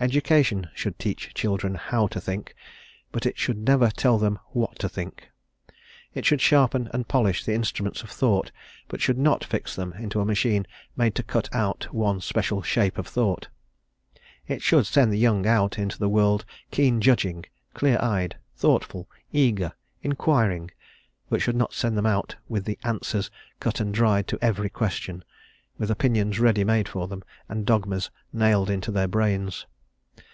Education should teach children how to think, but should never tell them what to think. It should sharpen and polish the instruments of thought, but should not fix them into a machine made to cut out one special shape of thought. It should send the young out into the world keen judging, clear eyed, thoughtful, eager, inquiring, but should not send them out with answers cut and dried to every question, with opinions ready made for them, and dogmas nailed into their brains.